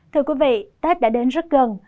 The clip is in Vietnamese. thưa quý vị tết đã đến rất gần